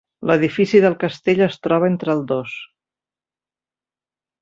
L'edifici del castell es troba entre el dos.